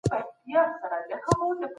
حضرت علي رضي الله عنه هغه نکاح صحيحه وګڼله.